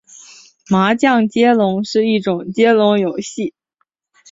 麻将接龙是一种接龙游戏。